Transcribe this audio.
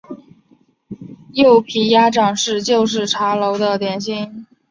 柚皮鸭掌是旧式茶楼的点心。